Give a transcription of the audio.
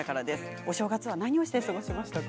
お正月は何をしていましたか？